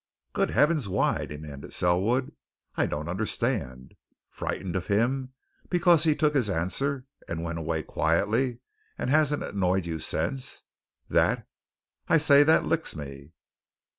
"Good heavens! Why?" demanded Selwood. "I don't understand. Frightened of him because he took his answer, went away quietly, and hasn't annoyed you since? That I say, that licks me!"